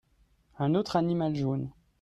Un autre animal jaune.